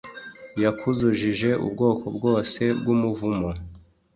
Yakuzujije ubwoko bwose bw'umuvumo